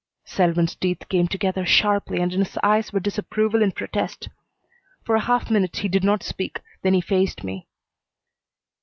Selwyn's teeth came together sharply and in his eyes were disapproval and protest. For a half minute he did not speak, then he faced me.